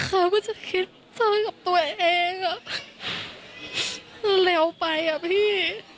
เขาก็จะคิดสั้นกับตัวเองเร็วไปอ่ะพี่